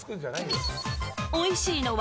おいしいのは？